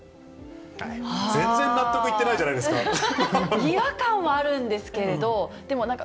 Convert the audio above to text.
全然納得いってないじゃない違和感はあるんですけど、でもなんか、